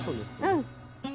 うん。